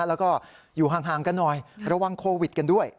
แล้วก็อยู่ห่างกันหน่อยระวังโควิดกันด้วย